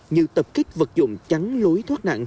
như tập kích vật dụng chắn lối thoát nặng